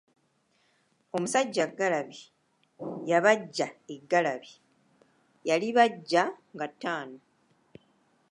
Omusajja ggalabi, yabajja eggalabi, yalibajja nga ttaano,